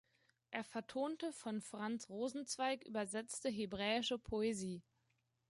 Er vertonte von Franz Rosenzweig übersetzte hebräische Poesie.